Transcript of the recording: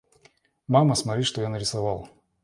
Мама, смотри что я нарисовал!